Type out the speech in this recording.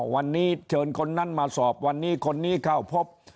วันนี้เชิญคนนั้นมาสอบวันนี้คนนี้เข้าพบ